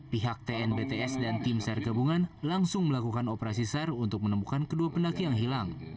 pihak tnbts dan tim sar gabungan langsung melakukan operasi sar untuk menemukan kedua pendaki yang hilang